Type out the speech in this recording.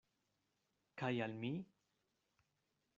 Kaj al mi?